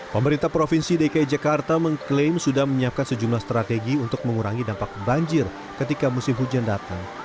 pemerintah provinsi dki jakarta mengklaim sudah menyiapkan sejumlah strategi untuk mengurangi dampak banjir ketika musim hujan datang